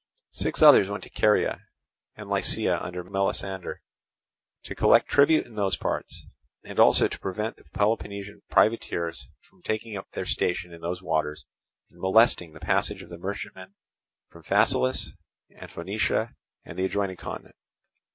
Six others went to Caria and Lycia under Melesander, to collect tribute in those parts, and also to prevent the Peloponnesian privateers from taking up their station in those waters and molesting the passage of the merchantmen from Phaselis and Phoenicia and the adjoining continent.